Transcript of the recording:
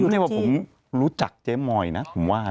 เพราะผมรู้จักเจมอยด์นะผมว่า